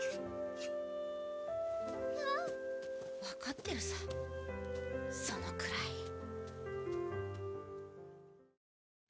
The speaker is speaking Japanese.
わかってるさそのくらい。